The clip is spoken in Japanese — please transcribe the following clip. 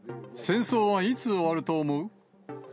戦争はいつ終わると思う？